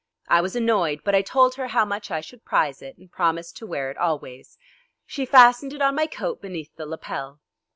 I was annoyed, but I told her how much I should prize it, and promised to wear it always. She fastened it on my coat beneath the lapel.